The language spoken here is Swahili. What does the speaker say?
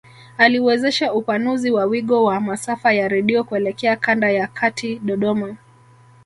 Aliwezesha upanuzi wa wigo wa masafa ya redio kuelekea kanda ya kati Dodoma